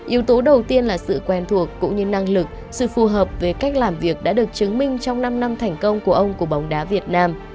yếu tố đầu tiên là sự quen thuộc cũng như năng lực sự phù hợp về cách làm việc đã được chứng minh trong năm năm thành công của ông của bóng đá việt nam